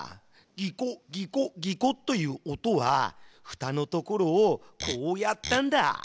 「ギコギコギコ」という音はふたの所をこうやったんだ。